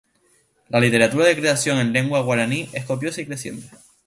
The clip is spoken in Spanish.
La literatura de creación en lengua guaraní es copiosa y creciente.